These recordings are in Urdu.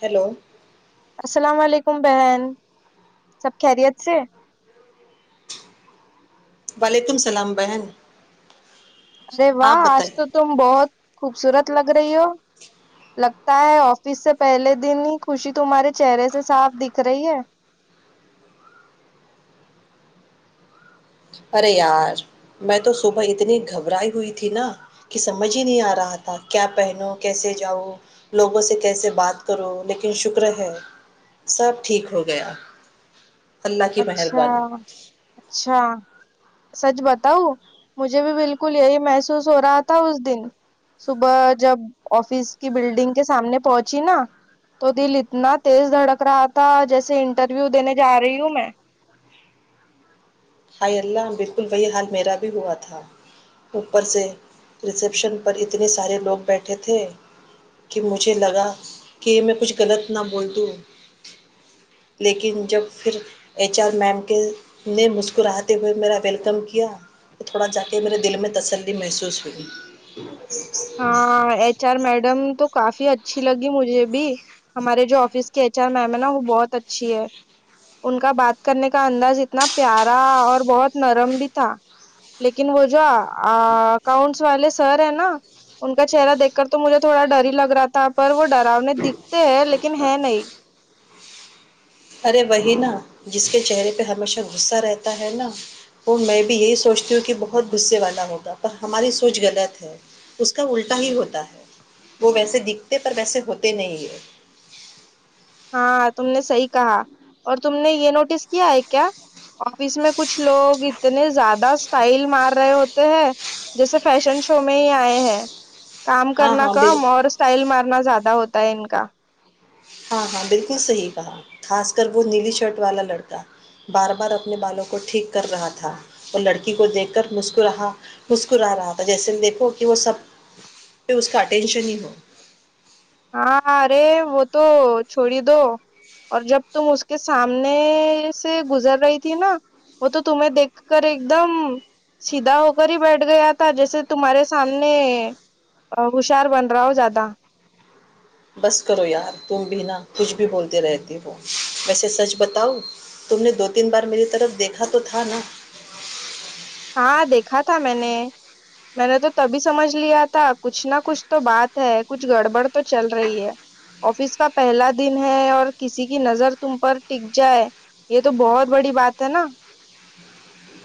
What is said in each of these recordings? ہیلو السلام علیکم بہن سب خیریت سے وعلیکم السلام بہن ارے آپ واہ آج بتائیے تو تم بہت خوبصورت لگ رہی ہو لگتا ہے آفس سے پہلے دن ہی خوشی تمہارے چہرے سے صاف دکھ رہی ہے ارے یار میں تو صبح اتنی گھبرائی ہوئی تھی نا کہ سمجھ ہی نہیں آ رہا تھا کیا پہنو کیسے جاؤ لوگوں سے کیسے بات کرو لیکن شکر ہے سب ٹھیک ہو گیا اللہ کی اچھا مہربانی اچھا سچ بتاؤ مجھے بھی بالکل یہی محسوس ہو رہا تھا اس دن صبح جب آفس کی بلڈنگ کے سامنے پہنچی نا تو دل اتنا تیز دھڑک رہا تھا جیسے انٹرویو دینے جا رہی ہوں میں ہائی اللہ بالکل وہی حال میرا بھی ہوا تھا اوپر سے ریسیپشن پر اتنے سارے لوگ بیٹھے تھے کہ مجھے لگا کہ میں کچھ غلط نہ بول دوں لیکن جب پھر ایچ آر میم کے نے مس اس کوراتے ہوئے میرا ویلکم کیا تو تھوڑا جا کے میرے دل میں تسلی محسوس ہوئی ہاں ایچ آر میڈم تو کافی اچھی لگی مجھے بھی ہمارے جو آفس کے ایچ آر میم ہے نا وہ بہت اچھی ہے ان کا بات کرنے کا انداز اتنا پیارا اور بہت نرم بھی تھا لیکن وہ جو اکاؤنٹس والے سر ہے نا ان کا چہرہ دیکھ کر تو مجھے تھوڑا ڈر ہی لگ رہا تھا پر وہ ڈرونے دکھتے ہیں لیکن ہے نہیں [inaudible] ہاں تم نے صحی کہا اور تم نے یہ نوٹس کیا ہے کیا آفس میں کچھ لوگ اتنے زیادہ اسٹائل مار رہے ہوتے ہیں جیسے فیشن شو میں ہی آئے ہیں کام ہاں کرنا ہاں بال کم اور اسٹائل مارنا زاتدا ہوتا ہے ان کا ہاں ہاں بالکل صحیح کہا خاص کر وہ نیلی شرٹ والا لڑکا بار بار اپنے بالوں کو ٹھیک کر رہا تھا اور لڑکی کو دیکھ کر مسکراہا مسکرا رہا تھا جیسے دیکھو کہ وہ سب پہ اس کا اٹینشن ہی ہو ہاں ارے وہ تو چھوڑی دو اور جب تم اس کے سامنے سے گزر رہی تھی نا وہ تو تمہیں دیکھ کر ایک دم سیدھا ہو کر ہی بیٹھ گیا تھا جیسے تمہارے سامنے ہوشار بن رہا ہو زیادہ بس کرو یار تم بھی نا کچھ بھی بولتے رہتے ہو ویسے سچ بتاؤ تم نے دو تین بار میری طرف دیکھا تو تھا نا ہاں دیکھا تھا میں نے میں نے تو تبھی سمجھ لیا تھا کچھ نہ کچھ تو بات ہے کچھ گڑبڑ تو چل رہی ہے آفس کا پہلا دن ہے اور کسی کی نظر تم پر ٹک جائے یہ تو بہت بڑی بات ہے نا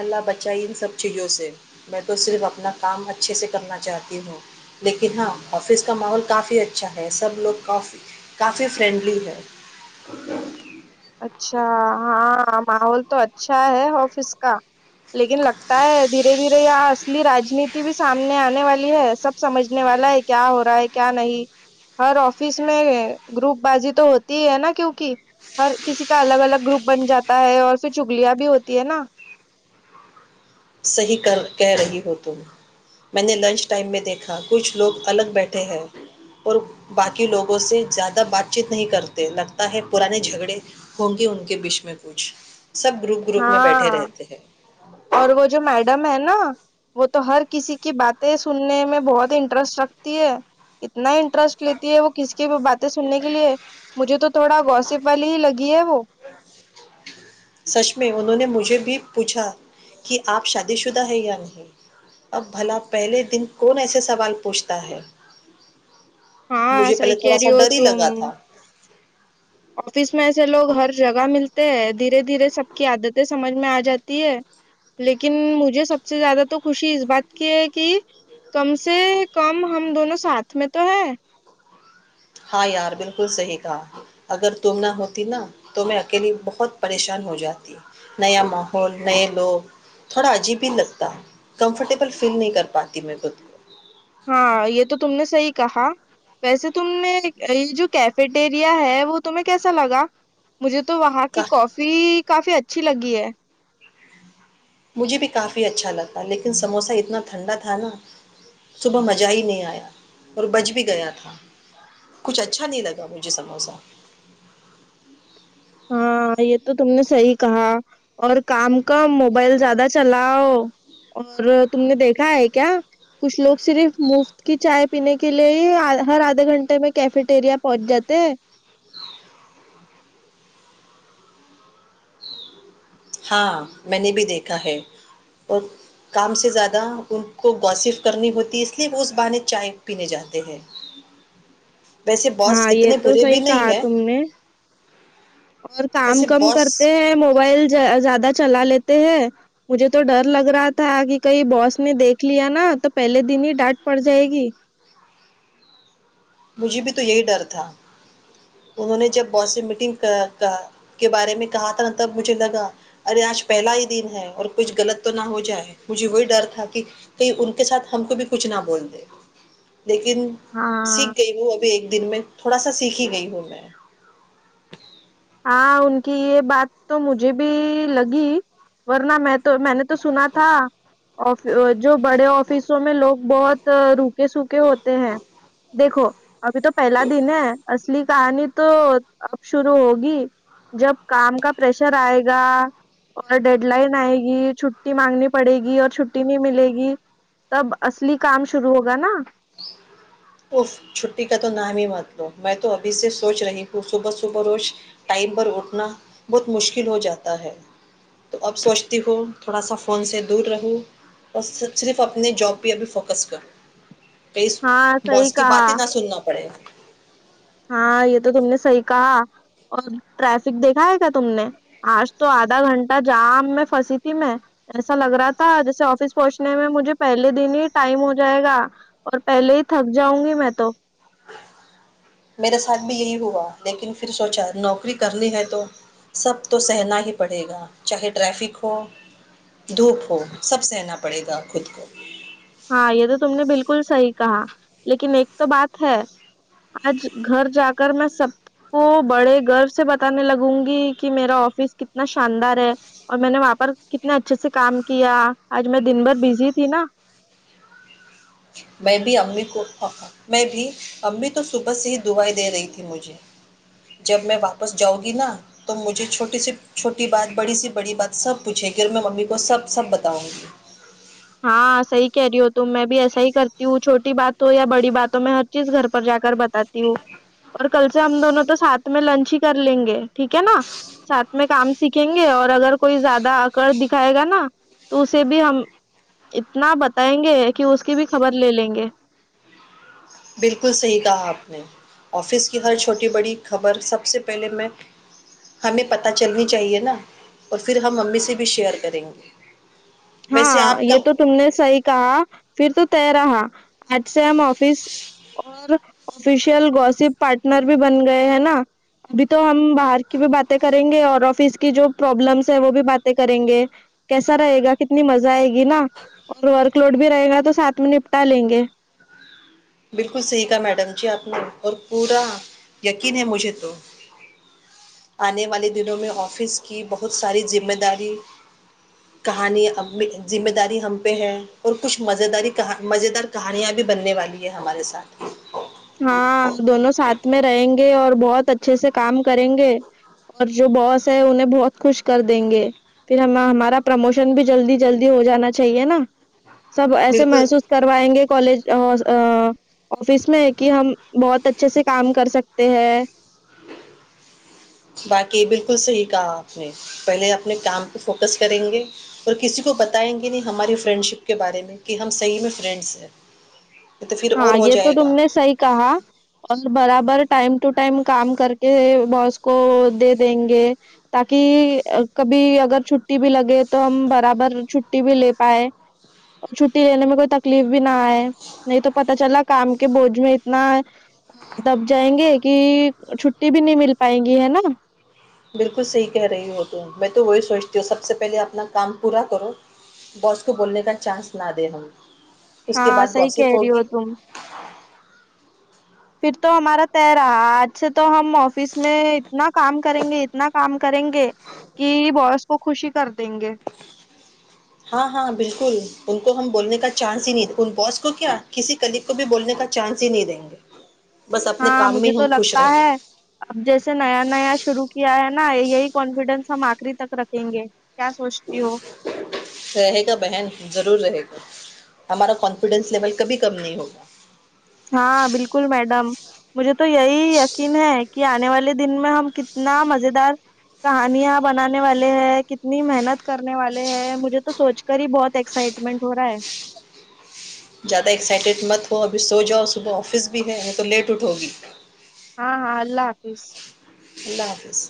اللہ بچائی ان سب چیزوں سے میں تو صرف اپنا کام اچھے سے کرنا چاہتی ہوں لیکن ہاں آفس کا ماحول کافی اچھا ہے سب لوگ کافی کافی فرینڈلی ہے اچھا ہاں ماحول تو اچھا ہے آفس کا لیکن لگتا ہے دھیرے دھیرے یہاں اصلی رانیتی بھی سامنے آنے والی ہے سب سمجھنے والا ہے کیا ہو رہا ہے کیا نہیں ہر آفس میں گروپ بازی تو ہوتی ہی ہے نا کیوںکہ ہر کسی کا الگ الگ گروپ بن جاتا ہے اور پھر چگلیاں بھی ہوتی ہے نا صحیح کر کہہ رہی ہو تم میں نے لنچ ٹائم میں دیکھا کچھ لوگ الگ بیٹھے ہیں اور باقی لوگوں سے زیادہ بات چیت نہیں کرتے لگتا ہے پرانے جھگڑے ہوں گے ان کے بیچ میں کچھ سب گروپ گروپ میں بیٹھے ہاں رہتے ہیں اور وہ جو ہے نا وہ تو ہر کسی کی باتیں سننے میں بہت انٹرسٹ رکھتی ہے اتنا انٹرسٹ لیتی ہے وہ کس کی باتیں سننے کے لیے مجھے تو تھوڑا گوسیپ والی ہی لگی ہے وہ سچ میں انہوں نے مجھے بھی پوچھا کہ آپ شادی شدہ ہے یا نہیں اب بھلا پہلے دن کون ایسے سوال پوچھتا ہے ہاں مجھے پہلے صحیح کہہ تھوڑا رہی سا ہو ڈر ہی تم لگا تھا آفس میں ایسے لوگ ہر جگہ ملتے دھیرے دھیرے سب کی عادتیں سمجھ میں آ جاتی ہے لیکن مجھے سب سے زیادہ تو خوشی اس بات کی ہے کہ کم سے کم ہم دونوں ساتھ میں تو ہے ہاں یار بالکل صحیح کہا اگر تم نہ ہوتی نا تو میں اکیلی بہت پریشان ہو جاتی نیا ماحول نئے لوگ تھوڑا عجیب ہی لگتا کمفرٹیبل فیل نہیں کر پاتی میں خود کو ہاں یہ تو تم نے صحی کہا ویسے تم نے یہ جو کیفیٹیریا ہے وہ تمہیں کیسا لگا مجھے تو تو وہاں کی کا کافی کافی اچ اچھی لگی ہے مجھے بھی کافی اچھا لگتا لیکن سموسہ اتنا ٹھنڈا تھا نا صبح مزہ ہی نہیں آیا اور بج بھی گیا تھا کچھ اچھا نہیں لگا مجھے سموسہ ہاں یہ تو تم نے صحی کہا اور کام کم موبائل زیادہ چلاؤ اور تم نے دیکھا ہے کیا کچھ لوگ صرف مفت کی چائے پینے کے لیے ہی ہر آدھے گھنٹے میں کیفیٹیریا پہنچ جاتے ہاں میں نے بھی دیکھا ہے اور کام سے زیادہ ان کو وصف کرنی ہوتی اس لیے وہ اس بانے چائے پینے جاتے ہیں ویسے باس ہاں یہ اتنے تو برے بھی صحی کہا نہیں ہے تم نے اور کام ویسے کم باس کرتے ہیں موبائل زیادہ چلا لیتے ہیں مجھے تو ڈر لگ رہا تھا کہ کہئی باس میں دیکھ لیا نا تو پہلے دن ہی ڈانٹ پڑ جائے گی مجھے بھی تو یہی ڈر تھا انہوں نے جب باس سے میٹنگ کے بارے میں کہا تھا نا تب مجھے لگا ارے آج پہلا ہی دن ہے اور کچھ غلط تو نہ ہو جائے مجھے وہی ڈر تھا کہ کہیں ان کے ساتھ ہم کو بھی کچھ نہ بول دے لیکن ہاں سکھ ہ ابھی ایک دن میں تھوڑا سا سیکھی گئی ہوں میں ہاں ان کی یہ بات تو مجھے بھی لگی ورنہ میں تو میں نے تو سنا تھا جو بڑے آف فیسوں میں لوگ بہت رک کے سوکھے ہوتے ہیں دیکھو ابھی تو پہلا دن ہے اسلی کہانی تو اب شرو ہو گی جب کام کا پشر آئے گا اور ڈیڈ لائن آئے گی چھٹی مانگنی پڑے گی اور چھٹی نہیں ملے گی تب اصلی کام شروع ہوگا نا اف چھٹی کا تو نام ہی مت لو میں تو ابھی سے سوچ رہی ہوں صبح صبح روز ٹائم پر اٹھنا بہت مشکل ہو جاتا ہے تو اب سوچتی ہو تھوڑا سا فون سے دور رہو اور صرف اپنے جاب پہ ابھی فوکس کروں ہاں اور صحیح اس کی کہا باتیں نہ سننا پڑے [unintelligible] ہاں یہ تو تم نے صحیح کہا اور ٹریفک دیکھائے گا تم نے آج تو آدھا گھنٹہ جام میں پھنسی تھی میں ایسا لگ رہا تھا جیسے آفس پہنچنے میں مجھے پہلے دن ہی ٹائم ہو جائے گا اور پہلے ہی تھک جاؤں گی میں تو میرے ساتھ بھی یہی ہوا لیکن پھر سوچا نوکری کرنی ہے تو سب تو سہنا ہی پڑے گا چاہے ٹریفک ہو دھوپ ہو سب سہنا پڑے گا خود کو ہاں یہ تو تم نے بالکل صحیح کہا لیکن ایک تو بات ہے آج گھر جا کر میں سب کو بڑے گر سے بتانے لگوں گی کہ میرا آفس کتنا شاندار ہے اور میں نے وہاں پر کتنے اچھے سے کام کیا آج میں دن بھر بزی تھی نا میں بھی امی کو میں بھی امی تو صبح سے ہی دعائی دے رہی تھی مجھے جب میں واپس جاؤں گی نا تو مجھے چھوٹی سی چھوٹی بات بڑی سی بڑی بات سب پوچھے گی اور میں امی کو سب سب بتاؤں گی ہاں صحیح کہہ رہی ہو تو میں بھی ایسا ہی کرتی ہوں چھوٹی بات ہو یا بڑی بات ہو میں ہر چیز گھر پر جا کر بتاتی ہوں اور کل سے ہم دونوں تو ساتھ میں لنچ ہی کر لیں گے ٹھیک ہے نا ساتھ میں کام سیکھیں گے اور اگر کوئی زیادہ ا کر دکھائے گا نا تو اسے بھی ہم اتنا بتائیں گے کہ اس کی بھی خبر لے لیں گے بالکل صحیح کہا آپ نے آفس کی ہر چھوٹی بڑی خبر سب سے پہلے میں ہمیں پتہ چلنی چاہیے نا اور پھر ہم امی سے بھی شیئر کریں گے ویسے ہاں آپ یہ کل تو تم نے صحی کہا پھر تو ط رہا آج سے ہم آفس اور آفیشیل گوسپ پارٹنر بھی بن گئے ہیں نا ابھی تو ہم باہر کی بھی باتیں کریں گے اور آفس کی جو پرابلمس ہے وہ بھی باتیں کریں گے کیسا رہے گا کتنی مزہ آئے گی نا اور ورک لوڈ بھی رہے گا تو ساتھ میں نپٹا لیں گے بالکل صحیح کا میڈم جی آپ نے اور پورا یقین ہے مجھے تو آنے والے دنوں میں آفس کی بہت ساری ذمہ داری کہانی ذمہ داری ہم پہ ہے اور کچھ مز داری مز دار کہانیاں بھی بننے والی یہ ہمارے ساتھ ہے ہاں دونوں ساتھ میں رہیں گے اور بہت اچھے سے کام کریں گے اور جو باس ہے انہیں بہت خوش کر دیں گے پھر ہم ہمارا پرموشن بھی جلدی جلدی ہو جانا چاہیے نا سب ایسے بالکل محسوس کروائیں گے کالج آفس میں ایک کہ ہم بہت اچھے سے کام کر سکتے ہیں باقی بالکل صحیح کہا آپ نے پہلے اپنے کام پہ فوکس کریں گے اور کسی کو بتائیں گے نہیں ہماری فرینڈ شپ کے بارے میں کہ ہم صحیح میں فرینڈس ہیں تو پھر اور ہاں ہو یہ تو جائے تم گا نے صحی کہا اور برابر ٹائم ٹو ٹائم کام کر کے باس کو دے دیں گے تاکہ کبھی اگر چھٹی بھی لگے تو ہم برابر چھٹی بھی لے پائے اور چھٹی لینے میں کوئی تکلیف بھی نہ آئے نہیں تو پتا چلا کام کے بوجھ میں اتنا دب جائیں گے کہ چھٹی بھی نہیں مل پائائےیں گی ہے نا بالکل صحیح کہہ رہی ہو تو میں تو وہی سوچتی ہوں سب سے پہلے اپنا کام پورا کرو باس کو بولنے کا چانس نہ دیں ہم اس کے ہاں بعد سی کہ گوسپ رہی ہو ہوگی ت پھر تو ہمارا ت رہا آج سے تو ہم آفس میں اتنا کام کریں گے اتنا کام کریں گے کہ باس کو خوشی کر دیں گے ہاں ہاں بالکل ان کو ہم بولنے کا چانس ہی نہیں ان بوس کو کیا کسی کلیگ کو بھی بولنے کا چانس ہی نہیں دیں گے بس اپنے ہاں کام میں مجھے ہم تو خوش لگتا رہیں ہے گے اب جیسے نیا نیا شرو کیا ہے نا یہی کانفیڈینس ہم آخری تک رکھیں گے سوچتی ہو رہے گا بہن ضرور رہے گا ہمارا کانفیڈینس لیول کبھی کم نہیں ہوگا ہاں بالکل میڈم مجھے تو یہی یقین ہے کہ آنے والے دن میں ہم کتنا مز دار کہانیاں بنانے والے ہیں کتنی محنت کرنے والے ہیں مجھے تو سوچ کر ہی بہت ایکسائٹمنٹ ہو رہا ہے زیادہ ایکسائٹیڈ مت ہو ابھی سو جاؤ صبح آفس بھی ہے نہیں تو لیٹ اٹھو گی ہاں ہاں اللہ حافظ اللہ حافظ